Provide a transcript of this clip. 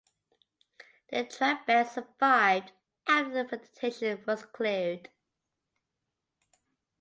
The trackbed survived after the vegetation was cleared.